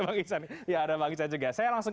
bang icah ya ada bang icah juga saya langsung